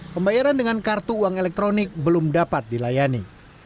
pembayaran dengan kartu uang elektronik belum dapat dilayani